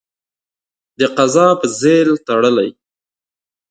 د قضا په ځېل تړلی.